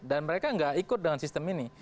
dan mereka tidak ikut dengan sistem ini